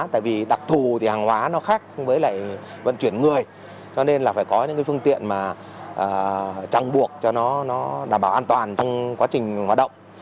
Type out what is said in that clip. tại vì đặc thù thì hàng hóa nó khác với lại vận chuyển người cho nên là phải có những phương tiện mà chẳng buộc cho nó đảm bảo an toàn trong quá trình hoạt động